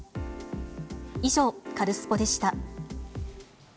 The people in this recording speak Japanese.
以上、カルスポっ！でした。